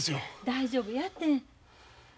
大丈夫やて。